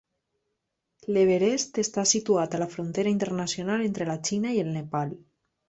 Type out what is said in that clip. L'Everest està situat a la frontera internacional entre la Xina i el Nepal.